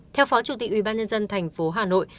theo phó chủ tịch ubnd thành phố hà nội